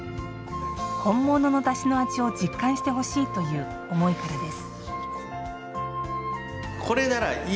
本物のだしの味を実感してほしいという思いからです。